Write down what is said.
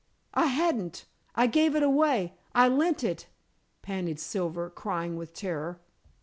"I hadn't. I gave it away! I lent it!" panted Silver, crying with terror.